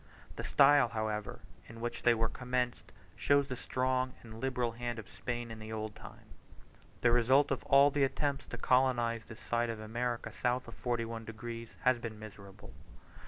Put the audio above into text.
The style, however, in which they were commenced shows the strong and liberal hand of Spain in the old time. The result of all the attempts to colonize this side of America south of 41 degs., has been miserable.